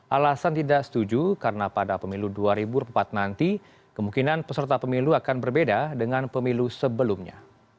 alasan tidak setuju karena pada pemilu dua ribu empat nanti kemungkinan peserta pemilu akan berbeda dengan pemilu sebelumnya